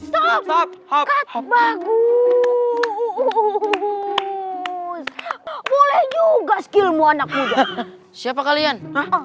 sabab bagus boleh juga skillmu anak muda siapa kalian